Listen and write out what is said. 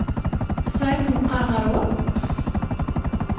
Tesɛiḍ-t meqqer ɣer wa?